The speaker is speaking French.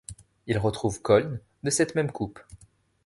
Ils retrouvent Köln, de cette même coupe.